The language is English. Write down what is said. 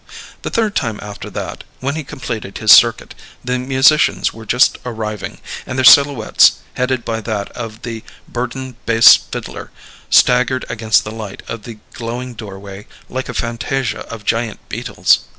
The third time after that, when he completed his circuit, the musicians were just arriving, and their silhouettes, headed by that of the burdened bass fiddler, staggered against the light of the glowing doorway like a fantasia of giant beetles.